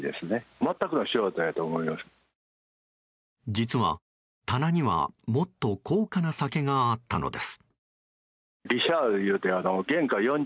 実は、棚にはもっと高価な酒があったのです。